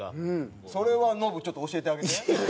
それはノブちょっと教えてあげて。